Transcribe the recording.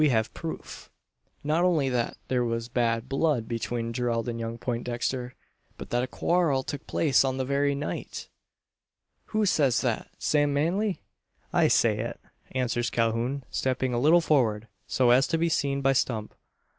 We have proof, not only that there was bad blood between Gerald and young Poindexter, but that a quarrel took place on the very night " "Who sez thet, Sam Manly?" "I say it," answers Calhoun, stepping a little forward, so as to be seen by Stump.